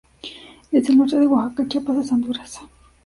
Desde el norte de Oaxaca, Chiapas hasta Honduras.